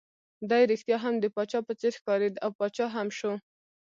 دی ريښتیا هم د پاچا په څېر ښکارېد، او پاچا هم شو.